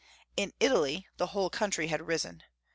In Italy the whole country had risen.